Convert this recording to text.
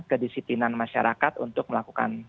kedisikinan masyarakat untuk melakukan